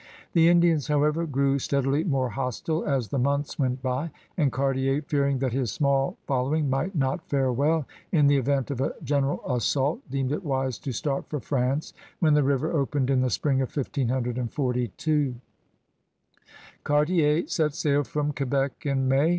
The Indians, however, grew steadily more hostile as the months went by, and Cartier, fearing that his small following might not fare well in the event of a general assault. m A VOYAGEUR OP BRITTANY 27 deemed it wise to start for France when the river opened in the spring of 154S. Cartier set sail from Quebec in May.